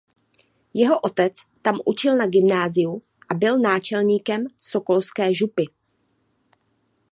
Jeho otec tam učil na gymnáziu a byl náčelníkem sokolské župy.